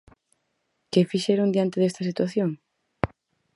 ¿Que fixeron diante desta situación?